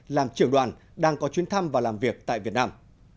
làm trưởng đoàn đang có chuyến thăm và làm việc tại việt nam